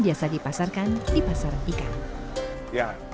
biasa dipasarkan di pasar ikan ya dari angka produksi itu kelihatan